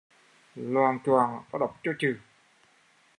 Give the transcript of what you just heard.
Loạng choạng tau đập cho chừ